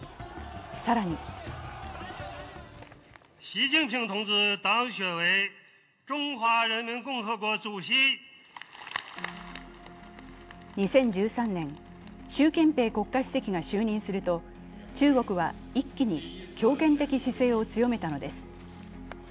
更に２０１３年、習近平国家主席が就任すると、中国は一気に強権的姿勢を強めたのです。